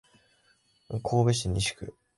神戸市西区